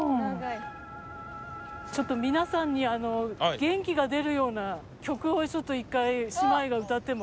ちょっと皆さんに元気が出るような曲をちょっと１回姉妹が歌っても？